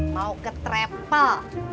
mau ke trepel